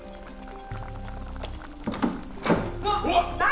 うわっ何？